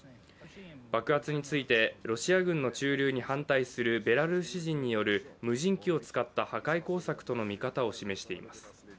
爆発について、ロシア軍の駐留に反対するベラルーシ人による無人機を使った破壊工作との見方を示しています。